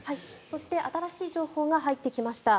そして新しい情報が入ってきました。